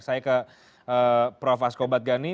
saya ke prof asko badgani